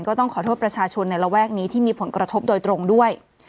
ก็ต้องขอโทษประชาชนในระแวกนี้ที่มีผลกระทบโดยตรงด้วย